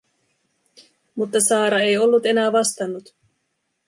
Mutta Saara ei ollut enää vastannut.